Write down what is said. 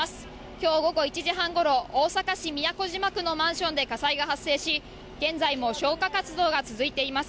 きょう午後１時半ごろ、大阪市都島区のマンションで火災が発生し、現在も消火活動が続いています。